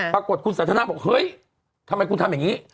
ปรากฏคุณสันทนาบอกเฮ้ยทำไมคุณทำอย่างนี้